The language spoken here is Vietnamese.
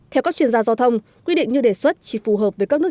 theo các chuyên gia giao thông quy định như đề xuất chỉ phù hợp với các nước